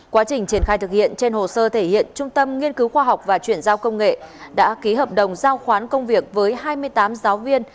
quá trình triển khai thực hiện trên hồ sơ thể hiện trung tâm nghiên cứu khoa học và chuyển giao công nghệ đã ký hợp đồng giao khoán công việc với hai mươi tám giáo viên